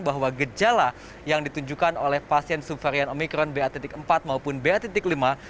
bahwa gejala yang ditunjukkan oleh pasien subvarian omikron b a empat maupun b a lima